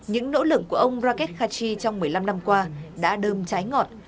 những nỗ lực của ông rakesh kashi trong một mươi năm năm qua đã đơm trái ngọt